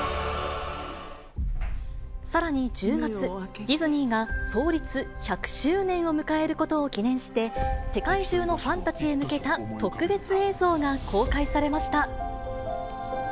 さらに１０月、ディズニーが創立１００周年を迎えることを記念して、世界中のファンたちへ向けた特別映像が公開されました。